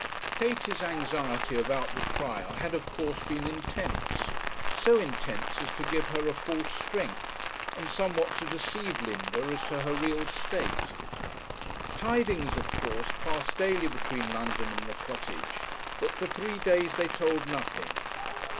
Katie's anxiety about the trial had of course been intense, so intense as to give her a false strength, and somewhat to deceive Linda as to her real state. Tidings of course passed daily between London and the Cottage, but for three days they told nothing.